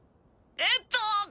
えっと。